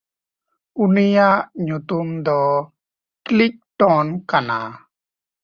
ᱩᱱᱤᱭᱟᱜ ᱧᱩᱛᱩᱢ ᱫᱚ ᱠᱞᱤᱝᱴᱚᱱ ᱠᱟᱱᱟ᱾